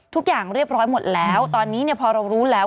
ทุกอย่างเรียบร้อยหมดแล้วตอนนี้พอเรารู้แล้ว